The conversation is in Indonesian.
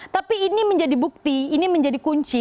tapi ini menjadi bukti ini menjadi kunci